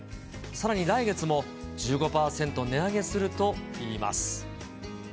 さらに来月も１５％値上げするといいます。